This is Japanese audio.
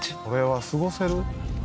これは過ごせる？